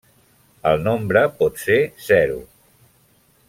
El nombre pot ser zero.